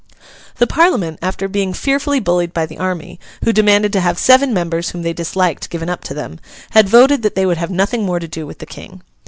The Parliament, after being fearfully bullied by the army—who demanded to have seven members whom they disliked given up to them—had voted that they would have nothing more to do with the King.